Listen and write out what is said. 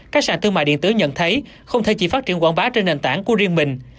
các sàn thương mại điện tử nhận thấy không thể chỉ phát triển quảng bá trên nền tảng của riêng mình